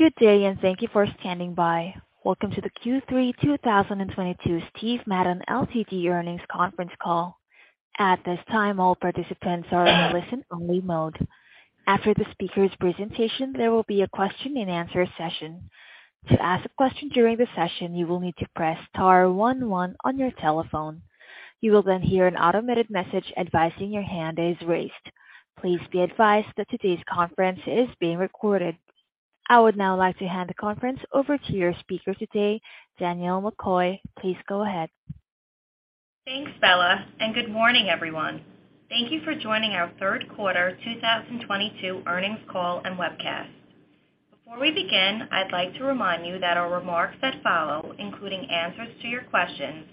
Good day, and thank you for standing by. Welcome to the Q3 2022 Steven Madden, Ltd Earnings Conference Call. At this time, all participants are in listen-only mode. After the speaker's presentation, there will be a question-and-answer session. To ask a question during the session, you will need to press star one one on your telephone. You will then hear an automated message advising your hand is raised. Please be advised that today's conference is being recorded. I would now like to hand the conference over to your speaker today, Danielle McCoy. Please go ahead. Thanks, Bella, and good morning, everyone. Thank you for joining our third quarter 2022 earnings call and webcast. Before we begin, I'd like to remind you that our remarks that follow, including answers to your questions,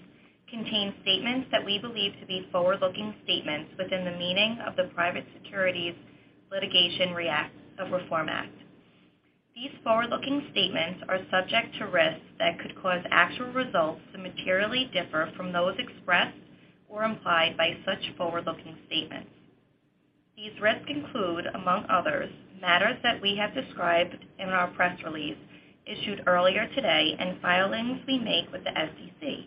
contain statements that we believe to be forward-looking statements within the meaning of the Private Securities Litigation Reform Act. These forward-looking statements are subject to risks that could cause actual results to materially differ from those expressed or implied by such forward-looking statements. These risks include, among others, matters that we have described in our press release issued earlier today and filings we make with the SEC.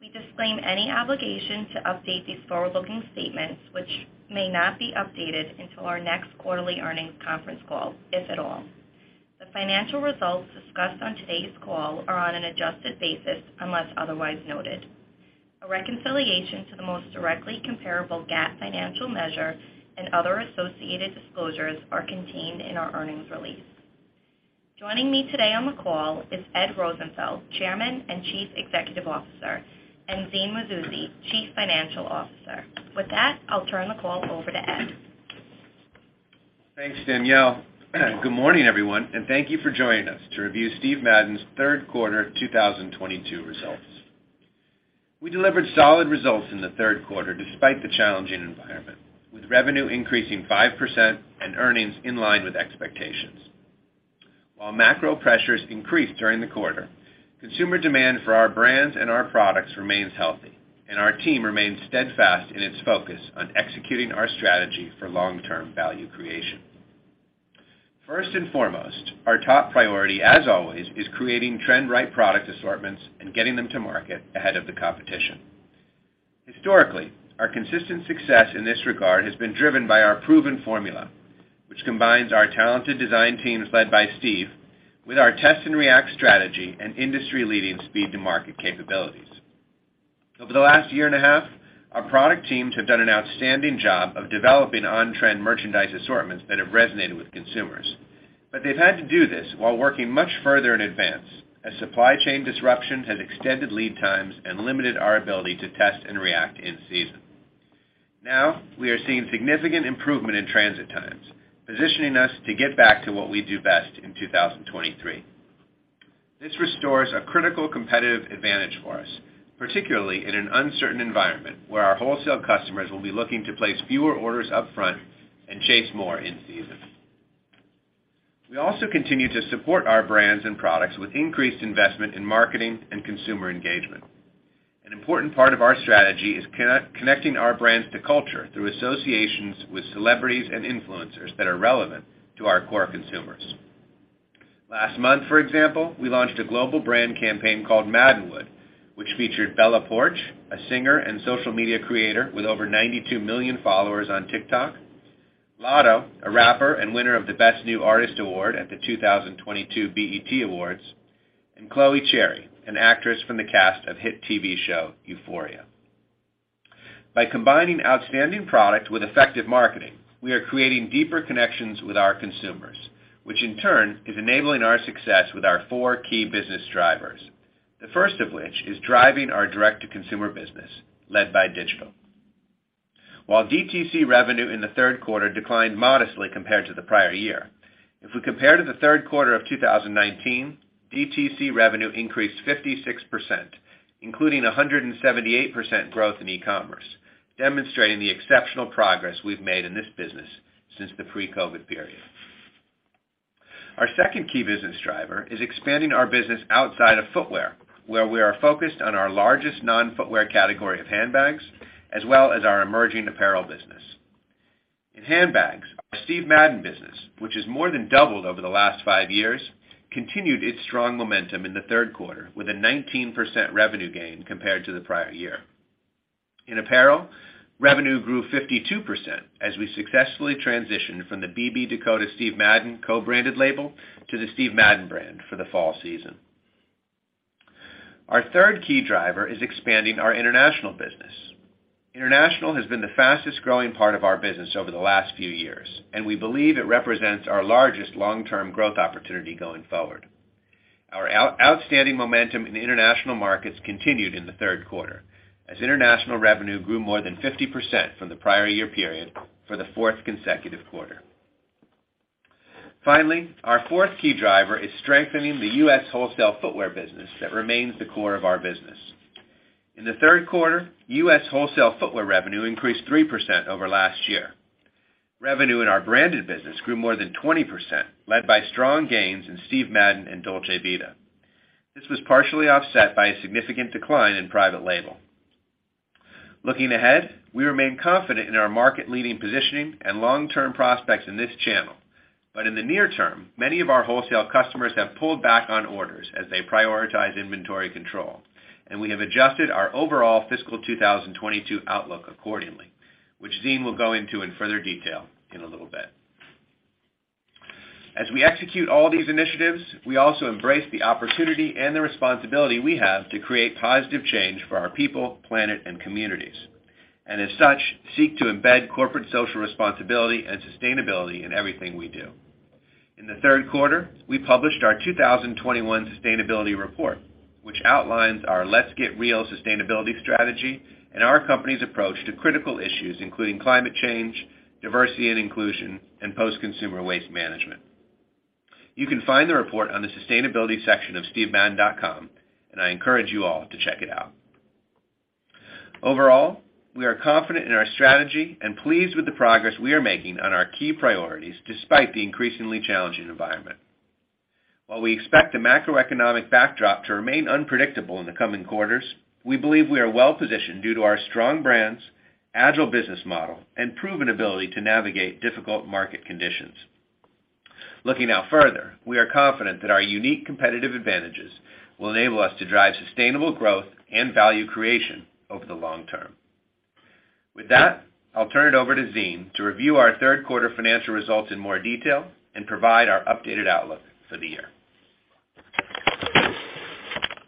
We disclaim any obligation to update these forward-looking statements, which may not be updated until our next quarterly earnings conference call, if at all. The financial results discussed on today's call are on an adjusted basis, unless otherwise noted. A reconciliation to the most directly comparable GAAP financial measure and other associated disclosures are contained in our earnings release. Joining me today on the call is Ed Rosenfeld, Chairman and Chief Executive Officer, and Zine Mazouzi, Chief Financial Officer. With that, I'll turn the call over to Ed. Thanks, Danielle. Good morning, everyone, and thank you for joining us to review Steve Madden's third quarter 2022 results. We delivered solid results in the third quarter despite the challenging environment, with revenue increasing 5% and earnings in line with expectations. While macro pressures increased during the quarter, consumer demand for our brands and our products remains healthy and our team remains steadfast in its focus on executing our strategy for long-term value creation. First and foremost, our top priority, as always, is creating trend-right product assortments and getting them to market ahead of the competition. Historically, our consistent success in this regard has been driven by our proven formula, which combines our talented design teams led by Steve with our test-and-react strategy and industry-leading speed to market capabilities. Over the last year and a half, our product teams have done an outstanding job of developing on-trend merchandise assortments that have resonated with consumers. They've had to do this while working much further in advance, as supply chain disruption has extended lead times and limited our ability to test and react in-season. Now we are seeing significant improvement in transit times, positioning us to get back to what we do best in 2023. This restores a critical competitive advantage for us, particularly in an uncertain environment where our wholesale customers will be looking to place fewer orders up front and chase more in season. We also continue to support our brands and products with increased investment in marketing and consumer engagement. An important part of our strategy is connecting our brands to culture through associations with celebrities and influencers that are relevant to our core consumers. Last month, for example, we launched a global brand campaign called Maddenwood, which featured Bella Poarch, a singer and social media creator with over 92 million followers on TikTok, Latto, a rapper and winner of the Best New Artist award at the 2022 BET Awards, and Chloe Cherry, an actress from the cast of hit TV show Euphoria. By combining outstanding product with effective marketing, we are creating deeper connections with our consumers, which in turn is enabling our success with our four key business drivers. The first of which is driving our direct-to-consumer business led by digital. While DTC revenue in the third quarter declined modestly compared to the prior year, if we compare to the third quarter of 2019, DTC revenue increased 56%, including a 178% growth in e-commerce, demonstrating the exceptional progress we've made in this business since the pre-COVID period. Our second key business driver is expanding our business outside of footwear, where we are focused on our largest non-footwear category of handbags as well as our emerging apparel business. In handbags, our Steve Madden business, which has more than doubled over the last five years, continued its strong momentum in the third quarter with a 19% revenue gain compared to the prior year. In apparel, revenue grew 52% as we successfully transitioned from the BB Dakota Steve Madden co-branded label to the Steve Madden brand for the fall season. Our third key driver is expanding our international business. International has been the fastest-growing part of our business over the last few years, and we believe it represents our largest long-term growth opportunity going forward. Our outstanding momentum in the international markets continued in the third quarter as international revenue grew more than 50% from the prior-year period for the fourth consecutive quarter. Finally, our fourth key driver is strengthening the U.S. wholesale footwear business that remains the core of our business. In the third quarter, U.S. wholesale footwear revenue increased 3% over last year. Revenue in our branded business grew more than 20%, led by strong gains in Steve Madden and Dolce Vita. This was partially offset by a significant decline in private label. Looking ahead, we remain confident in our market leading positioning and long-term prospects in this channel. In the near term, many of our wholesale customers have pulled back on orders as they prioritize inventory control, and we have adjusted our overall fiscal 2022 outlook accordingly, which Zine will go into in further detail in a little bit. As we execute all these initiatives, we also embrace the opportunity and the responsibility we have to create positive change for our people, planet, and communities, and as such, seek to embed corporate social responsibility and sustainability in everything we do. In the third quarter, we published our 2021 sustainability report, which outlines our Let's Get Real sustainability strategy and our company's approach to critical issues, including climate change, diversity and inclusion, and post-consumer waste management. You can find the report on the sustainability section of stevemadden.com, and I encourage you all to check it out. Overall, we are confident in our strategy and pleased with the progress we are making on our key priorities despite the increasingly challenging environment. While we expect the macroeconomic backdrop to remain unpredictable in the coming quarters, we believe we are well-positioned due to our strong brands, agile business model, and proven ability to navigate difficult market conditions. Looking out further, we are confident that our unique competitive advantages will enable us to drive sustainable growth and value creation over the long term. With that, I'll turn it over to Zine to review our third quarter financial results in more detail and provide our updated outlook for the year.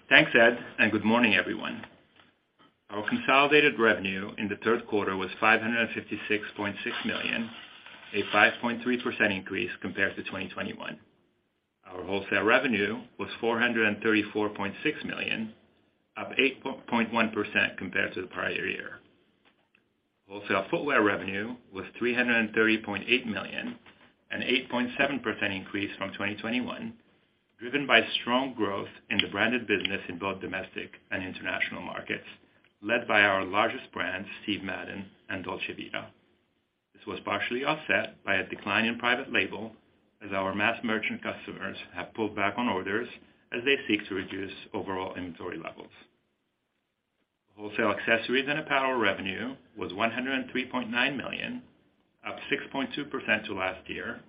Thanks, Ed, and good morning, everyone. Our consolidated revenue in the third quarter was $556.6 million, a 5.3% increase compared to 2021. Our wholesale revenue was $434.6 million, up 8.1% compared to the prior year. Wholesale footwear revenue was $330.8 million, an 8.7% increase from 2021, driven by strong growth in the branded business in both domestic and international markets, led by our largest brands, Steve Madden and Dolce Vita. This was partially offset by a decline in private label as our mass merchant customers have pulled back on orders as they seek to reduce overall inventory levels. Wholesale accessories and apparel revenue was $103.9 million, up 6.2% to last year,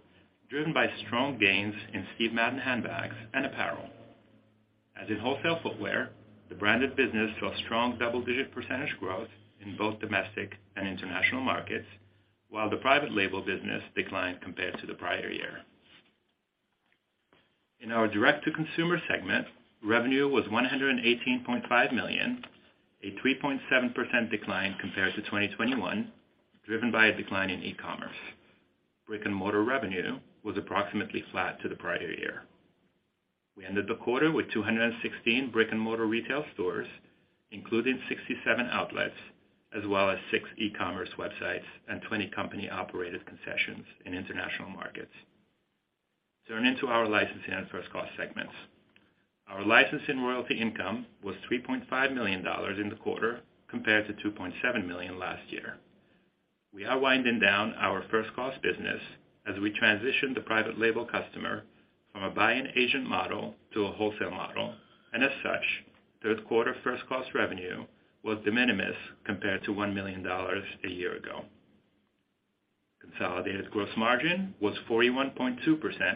driven by strong gains in Steve Madden handbags and apparel. In wholesale footwear, the branded business saw strong double-digit percentage growth in both domestic and international markets, while the private label business declined compared to the prior year. In our direct-to-consumer segment, revenue was $118.5 million, a 3.7% decline compared to 2021, driven by a decline in e-commerce. Brick-and-mortar revenue was approximately flat to the prior year. We ended the quarter with 216 brick-and-mortar retail stores, including 67 outlets as well as six e-commerce websites and 20 company-operated concessions in international markets. Turning to our licensing and first cost segments. Our licensing royalty income was $3.5 million in the quarter compared to $2.7 million last year. We are winding down our first cost business as we transition the private label customer from a buying agent model to a wholesale model, and as such, third quarter first cost revenue was de minimis compared to $1 million a year ago. Consolidated gross margin was 41.2%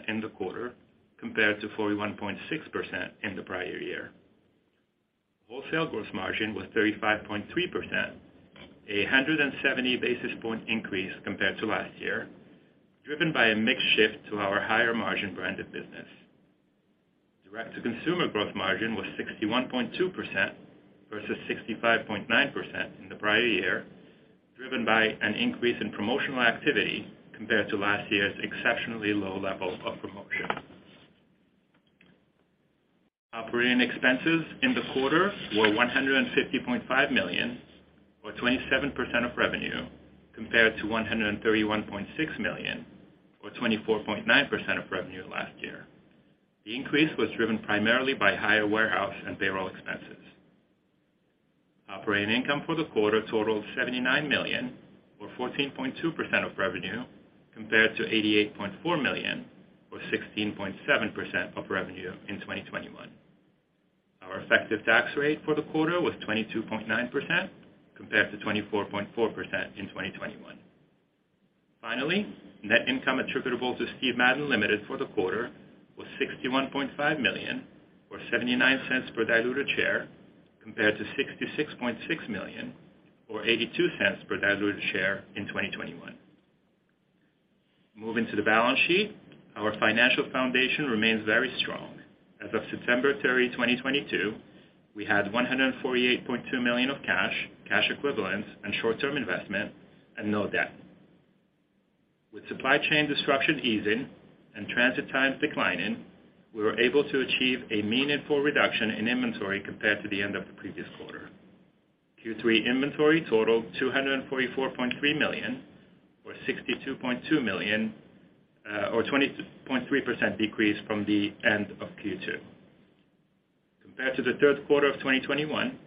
in the quarter compared to 41.6% in the prior year. Wholesale gross margin was 35.3%, a 170 basis point increase compared to last year, driven by a mix shift to our higher-margin branded business. Direct-to-consumer gross margin was 61.2% versus 65.9% in the prior year, driven by an increase in promotional activity compared to last year's exceptionally low level of promotion. Operating expenses in the quarter were $150.5 million or 27% of revenue compared to $131.6 million or 24.9% of revenue last year. The increase was driven primarily by higher warehouse and payroll expenses. Operating income for the quarter totaled $79 million or 14.2% of revenue compared to $88.4 million or 16.7% of revenue in 2021. Our effective tax rate for the quarter was 22.9% compared to 24.4% in 2021. Finally, net income attributable to Steven Madden, Ltd for the quarter was $61.5 million or $0.79 per diluted share, compared to $66.6 million or $0.82 per diluted share in 2021. Moving to the balance sheet. Our financial foundation remains very strong. As of September 30, 2022, we had $148.2 million of cash equivalents, and short-term investment and no debt. With supply chain disruption easing and transit times declining, we were able to achieve a meaningful reduction in inventory compared to the end of the previous quarter. Q3 inventory totaled $244.3 million or $62.2 million, or 20.3% decrease from the end of Q2. Compared to the third quarter of 2021,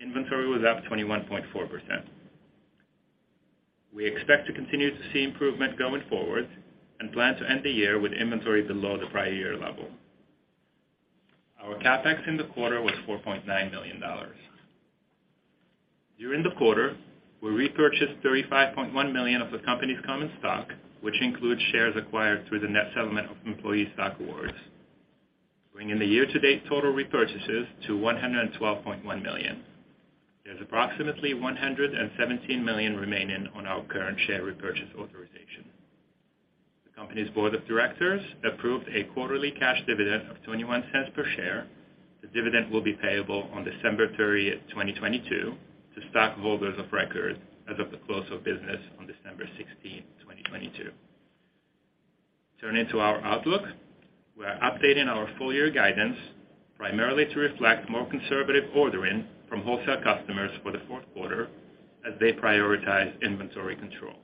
inventory was up 21.4%. We expect to continue to see improvement going forward and plan to end the year with inventory below the prior-year level. Our CapEx in the quarter was $4.9 million. During the quarter, we repurchased $35.1 million of the company's common stock, which includes shares acquired through the net settlement of employee stock awards. Bringing the year-to-date total repurchases to $112.1 million. There's approximately $117 million remaining on our current share repurchase authorization. The company's Board of Directors approved a quarterly cash dividend of $0.21 per share. The dividend will be payable on December 30th, 2022 to stockholders of record as of the close of business on December 16th, 2022. Turning to our outlook, we are updating our full year guidance primarily to reflect more conservative ordering from wholesale customers for the fourth quarter as they prioritize inventory control.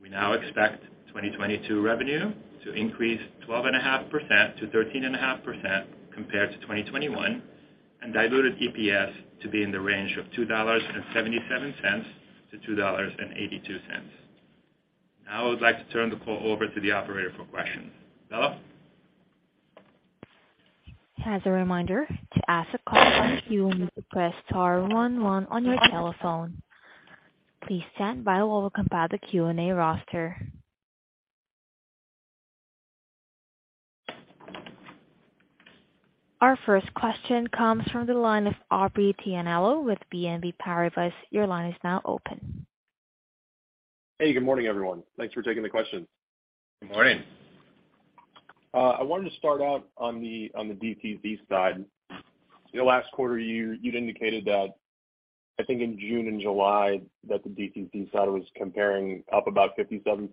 We now expect 2022 revenue to increase 12.5%-13.5% compared to 2021, and diluted EPS to be in the range of $2.77-$2.82. Now I would like to turn the call over to the operator for questions. Bella? As a reminder, to ask a question, you will need to press star one one on your telephone. Please stand by while we compile the Q&A roster. Our first question comes from the line of Aubrey Tianello with BNP Paribas. Your line is now open. Hey, good morning, everyone. Thanks for taking the questions. Good morning. I wanted to start out on the DTC side. In the last quarter, you'd indicated that I think in June and July that the DTC side was comparing up about 57%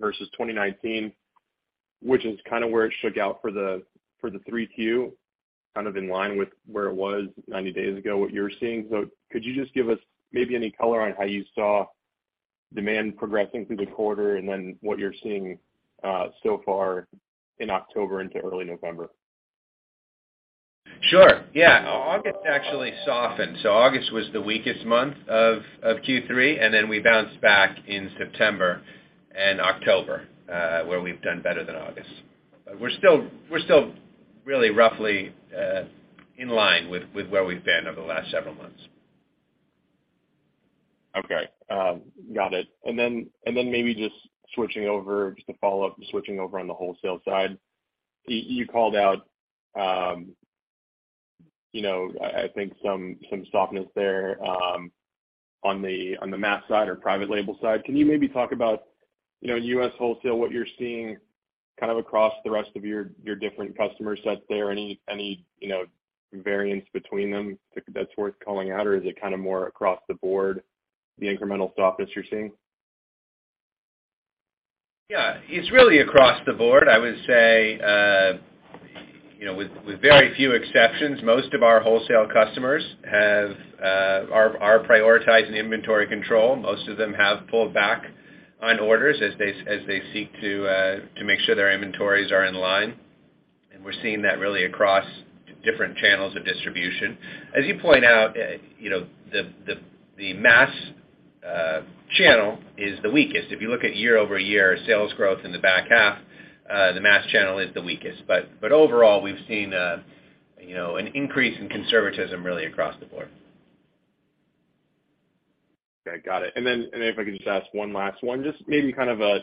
versus 2019, which is kinda where it shook out for the 3Q, kind of in line with where it was 90 days ago, what you're seeing. Could you just give us maybe any color on how you saw demand progressing through the quarter and then what you're seeing so far in October into early November? Sure. Yeah. August actually softened. August was the weakest month of Q3, and then we bounced back in September and October, where we've done better than August. We're still really roughly in line with where we've been over the last several months. Okay. Got it. Maybe just switching over, just to follow up, switching over on the wholesale side. You called out, you know, I think some softness there, on the mass side or private label side. Can you maybe talk about, you know, U.S. wholesale, what you're seeing kind of across the rest of your different customer sets there? Any variance between them that's worth calling out? Or is it kinda more across the board, the incremental softness you're seeing? Yeah. It's really across the board. I would say, you know, with very few exceptions, most of our wholesale customers are prioritizing inventory control. Most of them have pulled back on orders as they seek to make sure their inventories are in line. We're seeing that really across different channels of distribution. As you point out, you know, the mass channel is the weakest. If you look at year-over-year sales growth in the back half, the mass channel is the weakest. Overall, we've seen, you know, an increase in conservatism really across the board. Okay. Got it. If I could just ask one last one, just maybe kind of a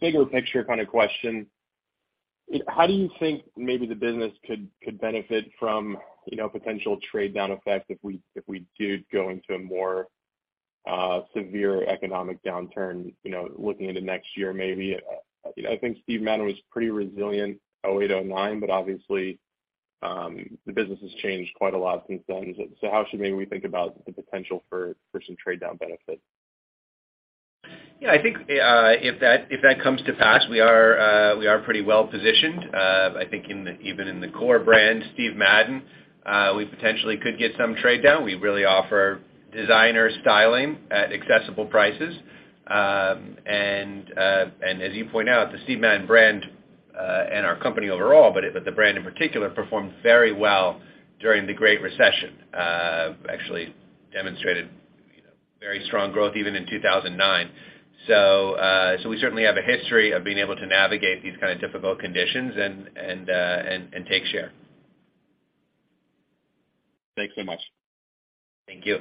bigger picture kind of question. How do you think maybe the business could benefit from, you know, potential trade down effect if we did go into a more severe economic downturn, you know, looking into next year maybe? I think Steve Madden was pretty resilient 2008-2009, but obviously, the business has changed quite a lot since then. How should maybe we think about the potential for some trade down benefit? Yeah. I think if that comes to pass, we are pretty well positioned. I think even in the core brand, Steve Madden, we potentially could get some trade down. We really offer designer styling at accessible prices. As you point out, the Steve Madden brand and our company overall, but the brand in particular, performed very well during the Great Recession. Actually demonstrated, you know, very strong growth even in 2009. We certainly have a history of being able to navigate these kind of difficult conditions and take share. Thanks so much. Thank you.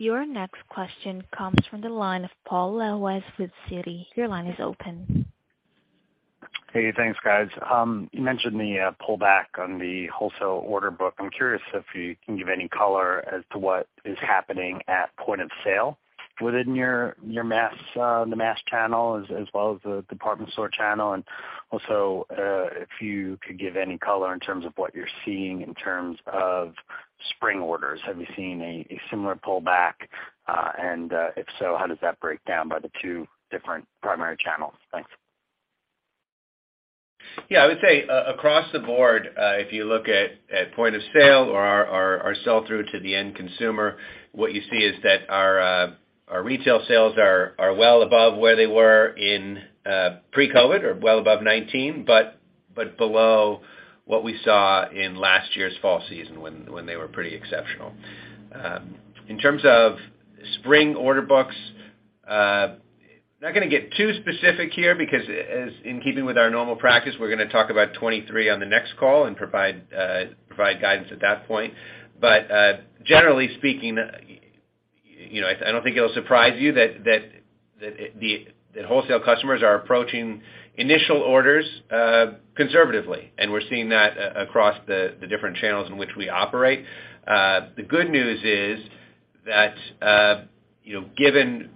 Your next question comes from the line of Paul Lejuez with Citi. Your line is open. Hey, thanks, guys. You mentioned pullback on the wholesale order book. I'm curious if you can give any color as to what is happening at point of sale within your mass channel as well as the department store channel, and also if you could give any color in terms of what you're seeing in terms of spring orders. Have you seen a similar pullback? And if so, how does that break down by the two different primary channels? Thanks. Yeah. I would say across the board, if you look at point of sale or our sell-through to the end consumer, what you see is that our retail sales are well above where they were in pre-COVID or well above 2019, but below what we saw in last year's fall season when they were pretty exceptional. In terms of spring order books, not gonna get too specific here because as in keeping with our normal practice, we're gonna talk about 2023 on the next call and provide guidance at that point. But generally speaking, you know, I don't think it'll surprise you that the wholesale customers are approaching initial orders conservatively. We're seeing that across the different channels in which we operate. The good news is that, you know, given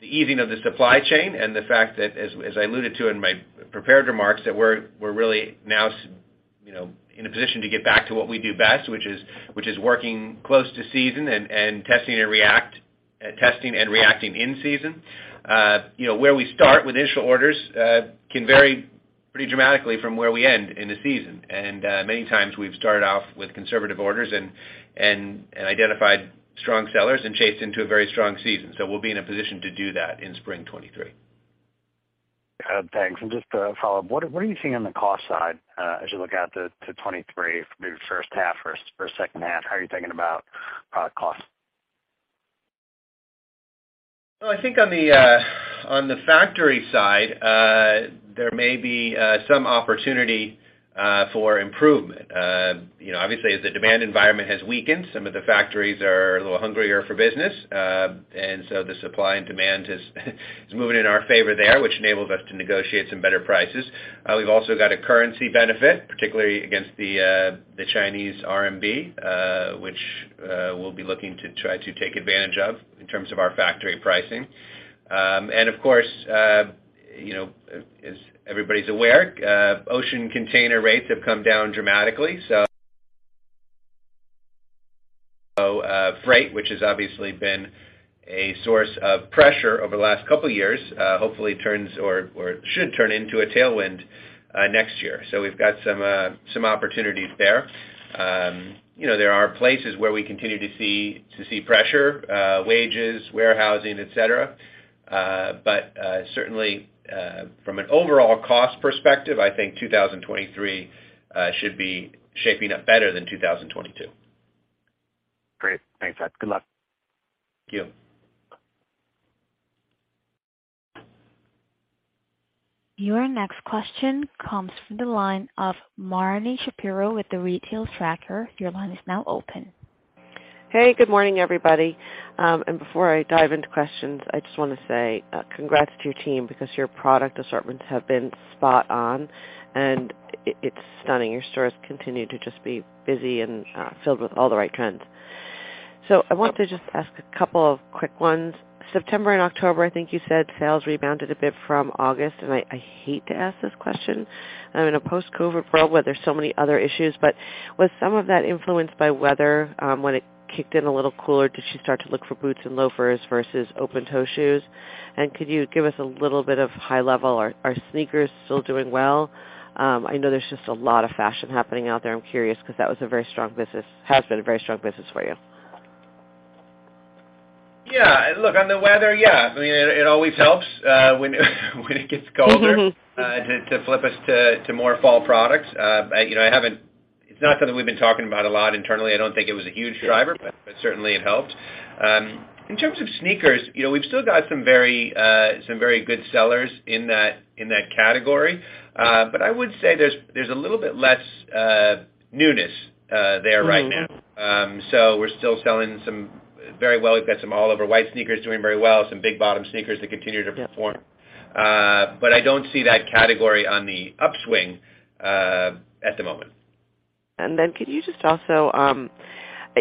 the easing of the supply chain and the fact that as I alluded to in my prepared remarks, that we're really now so you know, in a position to get back to what we do best, which is working close to season and testing and reacting in season. You know, where we start with initial orders can vary pretty dramatically from where we end in the season. Many times we've started off with conservative orders and identified strong sellers and chased into a very strong season. We'll be in a position to do that in spring 2023. Thanks. Just to follow up, what are you seeing on the cost side, as you look out to 2023, be it first half or second half? How are you thinking about product costs? Well, I think on the factory side, there may be some opportunity for improvement. You know, obviously, as the demand environment has weakened, some of the factories are a little hungrier for business. The supply and demand is moving in our favor there, which enables us to negotiate some better prices. We've also got a currency benefit, particularly against the Chinese RMB, which we'll be looking to try to take advantage of in terms of our factory pricing. Of course, you know, as everybody's aware, ocean container rates have come down dramatically. Freight, which has obviously been a source of pressure over the last couple of years, hopefully turns or should turn into a tailwind next year. We've got some opportunities there. You know, there are places where we continue to see pressure, wages, warehousing, et cetera. Certainly, from an overall cost perspective, I think 2023 should be shaping up better than 2022. Great. Thanks, Ed. Good luck. Thank you. Your next question comes from the line of Marni Shapiro with The Retail Tracker. Your line is now open. Hey, good morning, everybody. Before I dive into questions, I just wanna say, congrats to your team because your product assortments have been spot on, and it's stunning. Your stores continue to just be busy and filled with all the right trends. I want to just ask a couple of quick ones. September and October, I think you said sales rebounded a bit from August, and I hate to ask this question. I mean, in a post-COVID world where there's so many other issues, but was some of that influenced by weather when it kicked in a little cooler? Did you start to look for boots and loafers versus open-toe shoes? Could you give us a little bit of high level, are sneakers still doing well? I know there's just a lot of fashion happening out there. I'm curious 'cause that was a very strong business— Has been a very strong business for you. Yeah. Look, on the weather, yeah. I mean, it always helps when it gets colder to flip us to more fall products. You know, it's not something we've been talking about a lot internally. I don't think it was a huge driver, but certainly it helps. In terms of sneakers, you know, we've still got some very good sellers in that category. I would say there's a little bit less newness there right now. We're still selling some very well. We've got some all over white sneakers doing very well, some big bottom sneakers that continue to perform. I don't see that category on the upswing at the moment. Could you just also,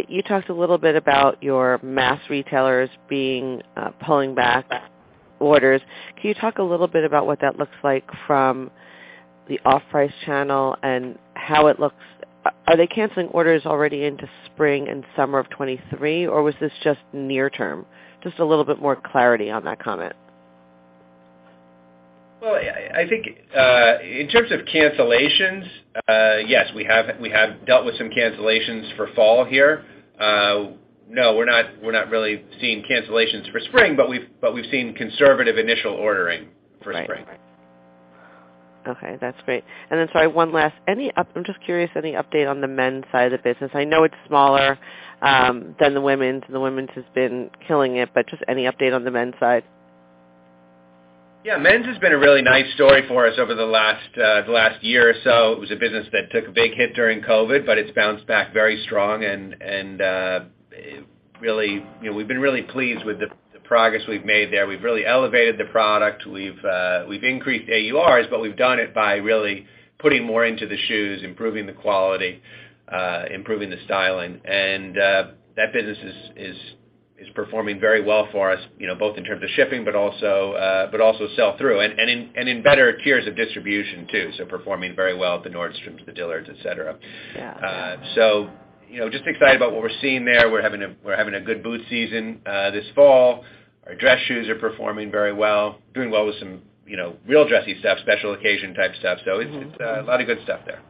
you talked a little bit about your mass retailers being, pulling back orders. Can you talk a little bit about what that looks like from the off-price channel and how it looks? Are they canceling orders already into spring and summer of 2023, or was this just near term? Just a little bit more clarity on that comment. Well, I think in terms of cancellations, yes, we have dealt with some cancellations for fall here. No, we're not really seeing cancellations for spring, but we've seen conservative initial ordering for spring. Right. Okay, that's great. Sorry, one last. I'm just curious, any update on the men's side of the business? I know it's smaller than the women's, and the women's has been killing it, but just any update on the men's side. Yeah. Men's has been a really nice story for us over the last year or so. It was a business that took a big hit during COVID, but it's bounced back very strong and really, you know, we've been really pleased with the progress we've made there. We've really elevated the product. We've increased AURs, but we've done it by really putting more into the shoes, improving the quality, improving the styling. That business is performing very well for us, you know, both in terms of shipping, but also sell through. In better tiers of distribution, too. Performing very well at the Nordstrom to the Dillard's, et cetera. You know, just excited about what we're seeing there. We're having a good boot season this fall. Our dress shoes are performing very well. Doing well with some, you know, real dressy stuff, special occasion type stuff. It's a lot of good stuff there.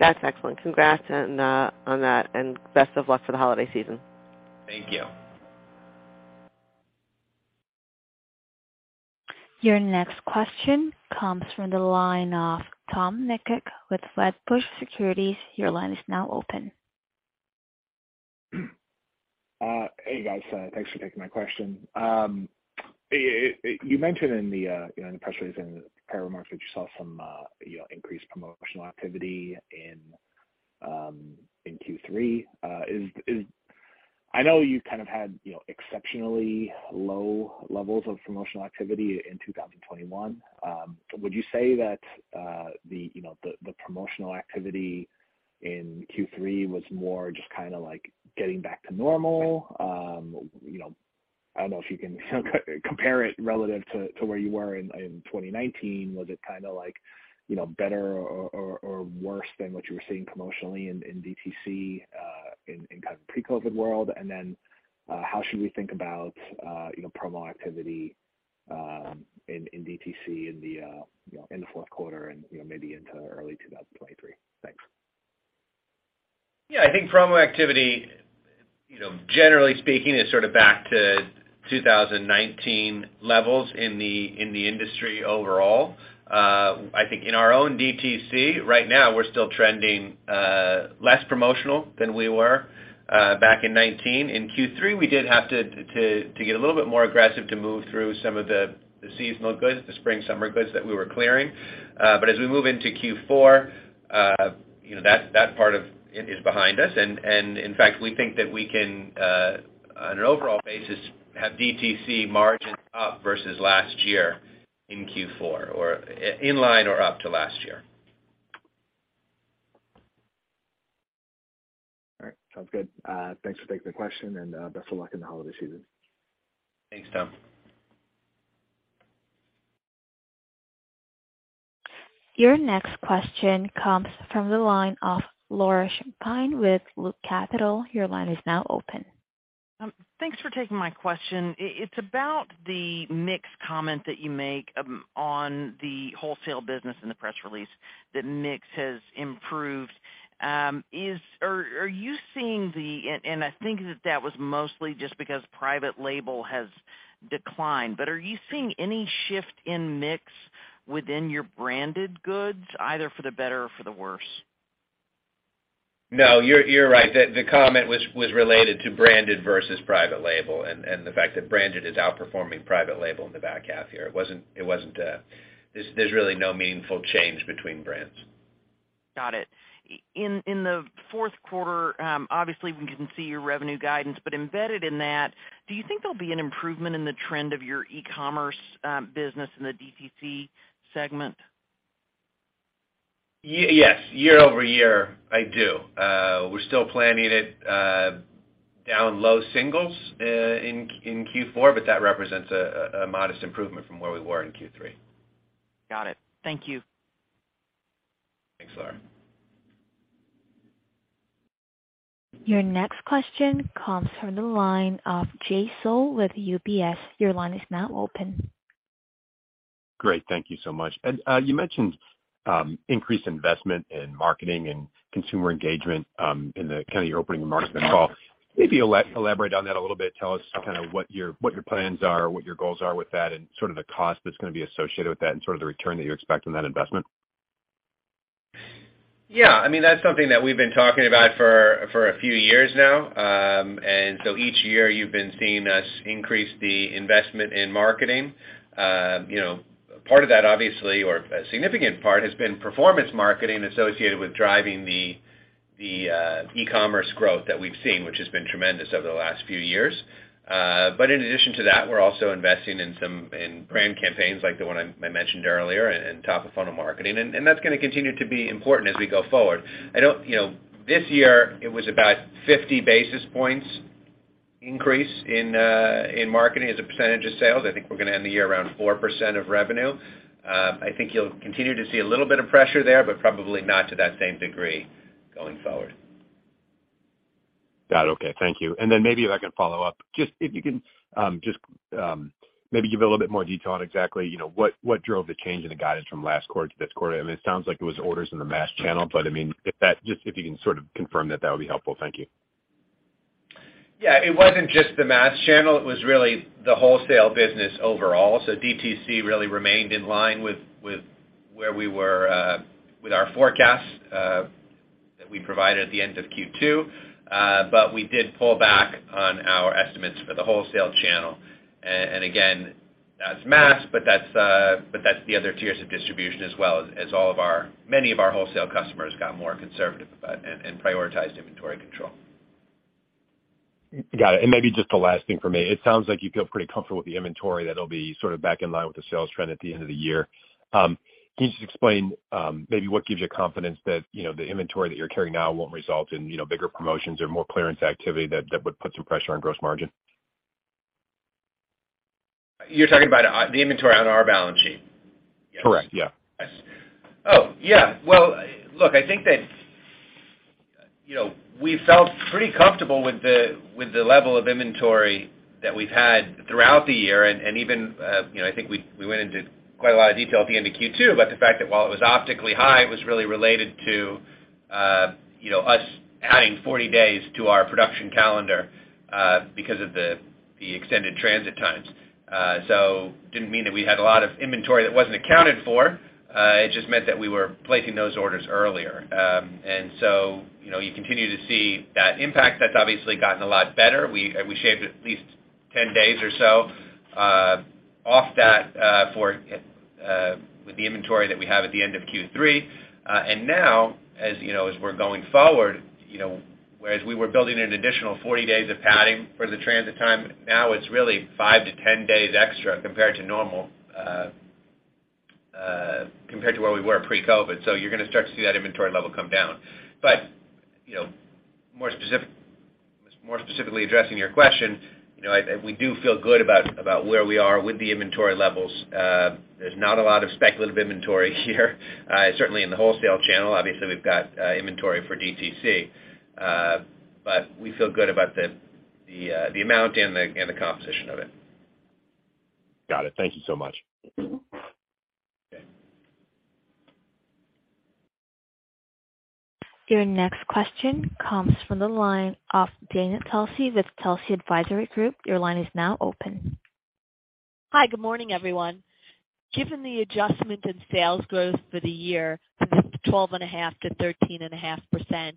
That's excellent. Congrats on that and best of luck for the holiday season. Thank you. Your next question comes from the line of Tom Nikic with Wedbush Securities. Your line is now open. Hey, guys, thanks for taking my question. You mentioned in the, you know, in the press release and remarks that you saw some, you know, increased promotional activity in Q3. I know you kind of had, you know, exceptionally low levels of promotional activity in 2021. Would you say that, you know, the promotional activity in Q3 was more just kinda like getting back to normal? You know, I don't know if you can compare it relative to where you were in 2019. Was it kinda like, you know, better or worse than what you were seeing promotionally in DTC, in kind of pre-COVID world? How should we think about, you know, promo activity in DTC in the fourth quarter and, you know, maybe into early 2023? Thanks. Yeah, I think promo activity, you know, generally speaking, is sort of back to 2019 levels in the industry overall. I think in our own DTC right now we're still trending less promotional than we were back in 2019. In Q3, we did have to get a little bit more aggressive to move through some of the seasonal goods, the spring/summer goods that we were clearing. But as we move into Q4, you know, that part of it is behind us. In fact, we think that we can, on an overall basis, have DTC margins up versus last year in Q4 or in line or up to last year. All right. Sounds good. Thanks for taking the question, and best of luck in the holiday season. Thanks, Tom. Your next question comes from the line of Laura Champine with Loop Capital. Your line is now open. Thanks for taking my question. It's about the mix comment that you make on the wholesale business in the press release, that mix has improved. I think that was mostly just because private label has declined. Are you seeing any shift in mix within your branded goods, either for the better or for the worse? No, you're right. The comment was related to branded versus private label and the fact that branded is outperforming private label in the back half here. It wasn't. There's really no meaningful change between brands. Got it. In the fourth quarter, obviously we didn't see your revenue guidance, but embedded in that, do you think there'll be an improvement in the trend of your e-commerce business in the DTC segment? Yes. Year-over-year, I do. We're still planning it down low singles in Q4, but that represents a modest improvement from where we were in Q3. Got it. Thank you. Thanks, Laura. Your next question comes from the line of Jay Sole with UBS. Your line is now open. Great. Thank you so much. You mentioned increased investment in marketing and consumer engagement in kind of your opening remarks on the call. Maybe elaborate on that a little bit. Tell us kind of what your plans are, what your goals are with that, and sort of the cost that's gonna be associated with that and sort of the return that you expect on that investment. Yeah, I mean, that's something that we've been talking about for a few years now. Each year you've been seeing us increase the investment in marketing. You know, part of that obviously, or a significant part, has been performance marketing associated with driving the e-commerce growth that we've seen, which has been tremendous over the last few years. In addition to that, we're also investing in some brand campaigns like the one I mentioned earlier and top of funnel marketing. That's gonna continue to be important as we go forward. I don't know. You know, this year it was about 50 basis points increase in marketing as a percentage of sales. I think we're gonna end the year around 4% of revenue. I think you'll continue to see a little bit of pressure there, but probably not to that same degree going forward. Got it. Okay. Thank you. Then maybe if I can follow up, just if you can, just, maybe give a little bit more detail on exactly, you know, what drove the change in the guidance from last quarter to this quarter. I mean, it sounds like it was orders in the mass channel. Just if you can sort of confirm that would be helpful. Thank you. Yeah. It wasn't just the mass channel. It was really the wholesale business overall. DTC really remained in line with where we were with our forecast that we provided at the end of Q2. We did pull back on our estimates for the wholesale channel. Again, that's mass, but that's the other tiers of distribution as well as many of our wholesale customers got more conservative about and prioritized inventory control. Got it. Maybe just the last thing for me. It sounds like you feel pretty comfortable with the inventory, that it'll be sort of back in line with the sales trend at the end of the year. Can you just explain, maybe what gives you confidence that, you know, the inventory that you're carrying now won't result in, you know, bigger promotions or more clearance activity that would put some pressure on gross margin? You're talking about the inventory on our balance sheet? Correct. Yeah. Yes. Oh, yeah. Well, look, I think that. You know, we felt pretty comfortable with the level of inventory that we've had throughout the year and even, you know, I think we went into quite a lot of detail at the end of Q2 about the fact that while it was optically high, it was really related to you know, us adding 40 days to our production calendar because of the extended transit times. So it didn't mean that we had a lot of inventory that wasn't accounted for. It just meant that we were placing those orders earlier. You know, you continue to see that impact. That's obviously gotten a lot better. We shaved at least 10 days or so off that with the inventory that we have at the end of Q3. As you know, as we're going forward, you know, whereas we were building an additional 40 days of padding for the transit time, now it's really five to 10 days extra compared to normal, compared to where we were pre-COVID. You're gonna start to see that inventory level come down. You know, more specifically addressing your question, you know, we do feel good about where we are with the inventory levels. There's not a lot of speculative inventory here, certainly in the wholesale channel. Obviously, we've got inventory for DTC. But we feel good about the amount and the composition of it. Got it. Thank you so much. Your next question comes from the line of Dana Telsey with Telsey Advisory Group. Your line is now open. Hi, good morning, everyone. Given the adjustment in sales growth for the year from 12.5%-13.5%,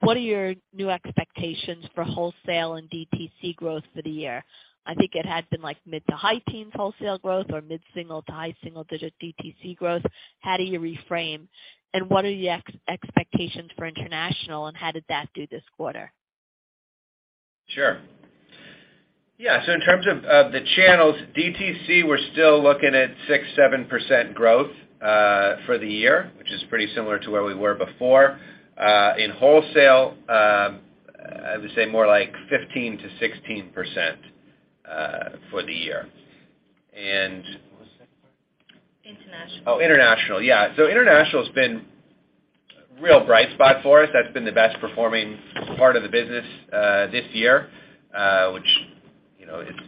what are your new expectations for wholesale and DTC growth for the year? I think it had been like mid- to high-teens wholesale growth or mid-single- to high-single-digit DTC growth. How do you reframe, and what are the expectations for international, and how did that do this quarter? Sure. Yeah, so in terms of the channels, DTC, we're still looking at 6%-7% growth for the year, which is pretty similar to where we were before. In wholesale, I would say more like 15%-16% for the year. What was the second part? International. Oh, international. Yeah. International's been real bright spot for us. That's been the best performing part of the business this year, which, you know, it's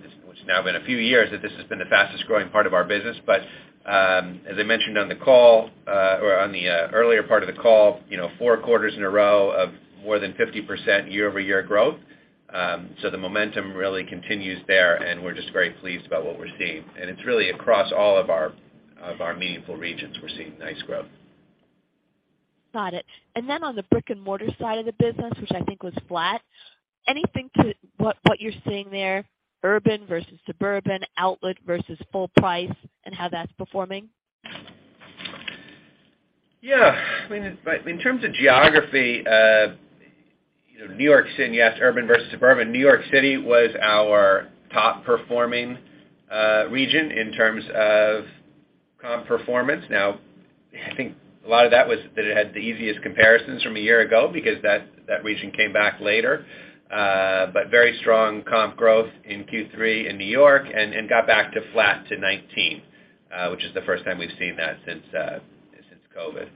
now been a few years that this has been the fastest growing part of our business. As I mentioned on the call or on the earlier part of the call, you know, four quarters in a row of more than 50% year-over-year growth. The momentum really continues there, and we're just very pleased about what we're seeing. It's really across all of our meaningful regions we're seeing nice growth. Got it. On the brick-and-mortar side of the business, which I think was flat, anything to what you're seeing there, urban versus suburban, outlet versus full price, and how that's performing? Yeah. I mean, in terms of geography, you know, New York City and yes, urban versus suburban. New York City was our top performing region in terms of comp performance. Now, I think a lot of that was that it had the easiest comparisons from a year ago because that region came back later. Very strong comp growth in Q3 in New York and got back to flat to 19%, which is the first time we've seen that since COVID.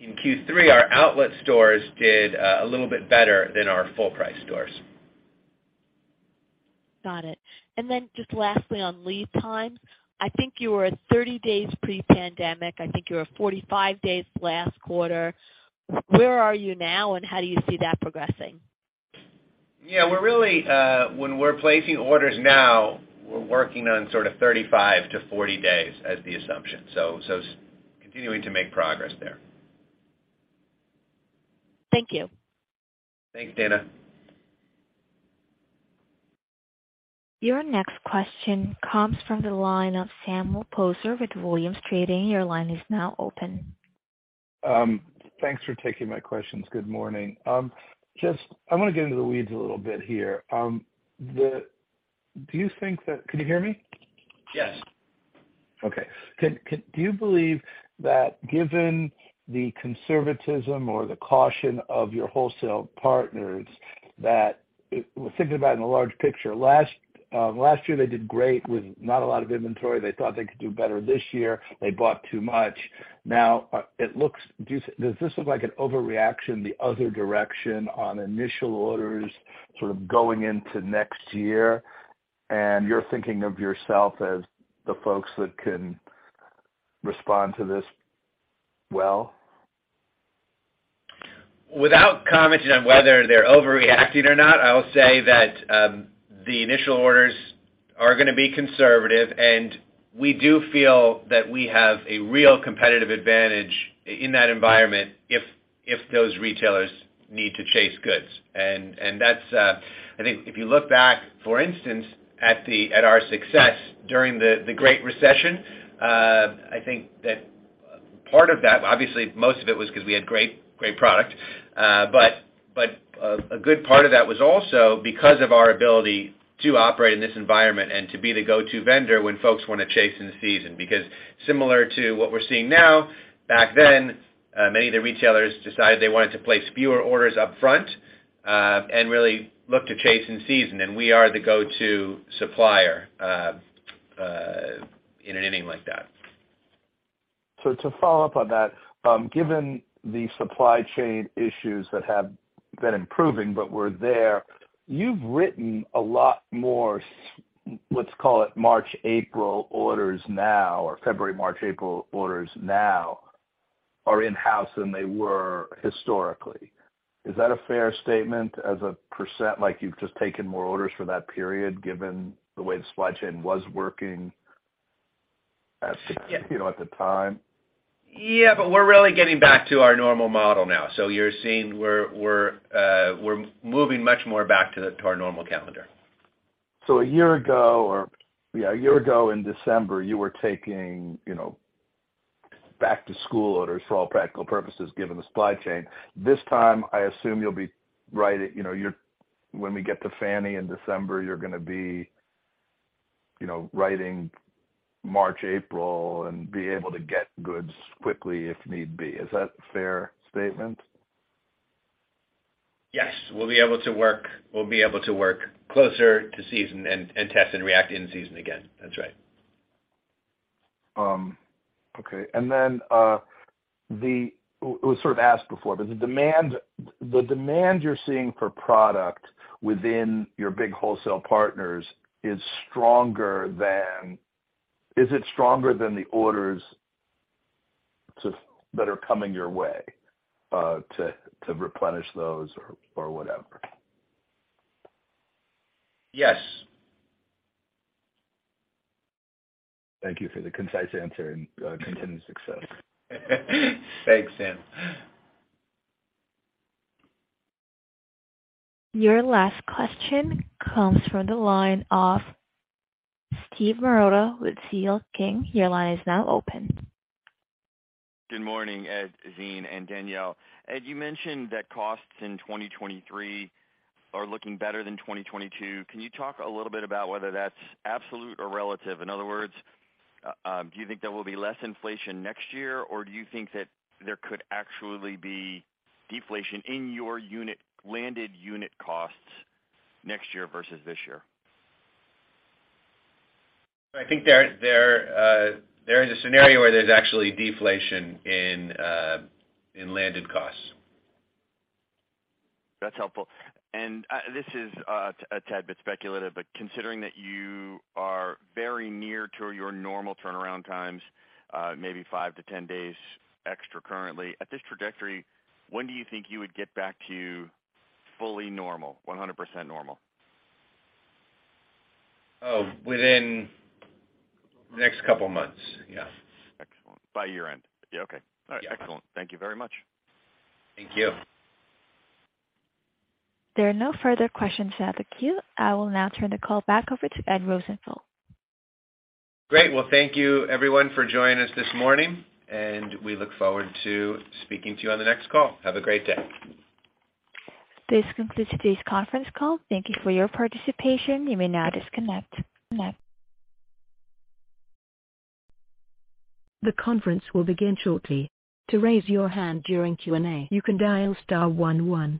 In Q3, our outlet stores did a little bit better than our full price stores. Got it. Just lastly, on lead times, I think you were at 30 days pre-pandemic. I think you were 45 days last quarter. Where are you now, and how do you see that progressing? Yeah, we're really when we're placing orders now, we're working on sort of 35-40 days as the assumption. Continuing to make progress there. Thank you. Thanks, Dana. Your next question comes from the line of Samuel Poser with Williams Trading. Your line is now open. Thanks for taking my questions. Good morning. Just, I wanna get into the weeds a little bit here. Do you think that? Can you hear me? Yes. Okay. Do you believe that given the conservatism or the caution of your wholesale partners, that thinking about in the big picture, last year they did great with not a lot of inventory. They thought they could do better this year. They bought too much. Now, does this look like an overreaction in the other direction on initial orders sort of going into next year, and you're thinking of yourself as the folks that can respond to this well? Without commenting on whether they're overreacting or not, I'll say that the initial orders are gonna be conservative, and we do feel that we have a real competitive advantage in that environment if those retailers need to chase goods. I think if you look back, for instance, at our success during the Great Recession, I think that part of that, obviously most of it was 'cause we had great product, but a good part of that was also because of our ability to operate in this environment and to be the go-to vendor when folks wanna chase in season. Similar to what we're seeing now, back then, many of the retailers decided they wanted to place fewer orders up front and really look to chase in season. We are the go-to supplier in an inning like that. To follow up on that, given the supply chain issues that have been improving but were there, you've written a lot more, let's call it March, April orders now or February, March, April orders now are in-house than they were historically. Is that a fair statement as a percent, like you've just taken more orders for that period given the way the supply chain was working at, you know, at the time? Yeah. We're really getting back to our normal model now. You're seeing we're moving much more back to our normal calendar. A year ago in December, you were taking, you know, back-to-school orders for all practical purposes given the supply chain. This time I assume you'll be writing. You know, when we get to FFANY in December, you're gonna be, you know, writing March, April and be able to get goods quickly if need be. Is that a fair statement? Yes. We'll be able to work closer to season and test and react in season again. That's right. Okay. It was sort of asked before, but the demand you're seeing for product within your big wholesale partners is stronger than the orders that are coming your way to replenish those or whatever? Yes. Thank you for the concise answer and continued success. Thanks, Sam. Your last question comes from the line of Steve Marotta with C.L. King. Your line is now open. Good morning, Ed, Zine and Danielle. Ed, you mentioned that costs in 2023 are looking better than 2022. Can you talk a little bit about whether that's absolute or relative? In other words, do you think there will be less inflation next year, or do you think that there could actually be deflation in your unit, landed unit costs next year versus this year? I think there is a scenario where there's actually deflation in landed costs. That's helpful. This is a tad bit speculative, but considering that you are very near to your normal turnaround times, maybe five to 10 days extra currently. At this trajectory, when do you think you would get back to fully normal, 100% normal? Oh, within the next couple of months. Yeah. Excellent. By year-end? Yeah. Okay. Yeah. All right. Excellent. Thank you very much. Thank you. There are no further questions in the queue. I will now turn the call back over to Ed Rosenfeld. Great. Well, thank you everyone for joining us this morning, and we look forward to speaking to you on the next call. Have a great day. This concludes today's conference call. Thank you for your participation. You may now disconnect.